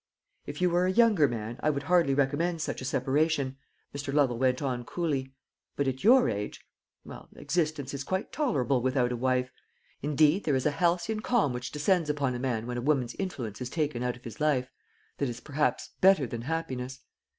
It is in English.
"If you were a younger man, I would hardly recommend such a separation," Mr. Lovel went on coolly; "but at your age well, existence is quite tolerable without a wife; indeed there is a halcyon calm which descends upon a man when a woman's influence is taken out of his life, that is, perhaps, better than happiness.